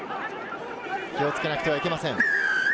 気を付けなければいけません。